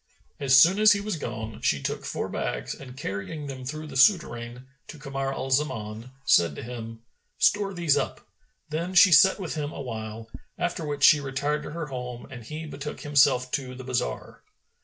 As soon as he was gone, she took four bags and, carrying them through the Souterrain to Kamar al Zaman, said to him, "Store these up;" then she sat with him awhile, after which she retired to her home and he betook himself to the bazar.